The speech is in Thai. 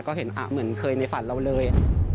ก็เห็นเหมือนเคยในฝันเราเลย